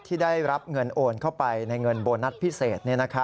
ที่ได้รับเงินโอนเข้าไปในเงินโบนัสพิเศษ